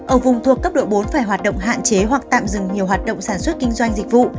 ở vùng thuộc cấp độ bốn phải hoạt động hạn chế hoặc tạm dừng nhiều hoạt động sản xuất kinh doanh dịch vụ